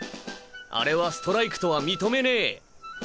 あれはストライクとは認めねえ！